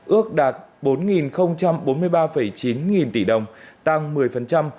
ước đạt bốn bốn mươi ba chín nghìn tỷ đồng tăng một mươi so với cùng kỳ tháng trước và tháng tám là tháng mùa hè cuối cùng của năm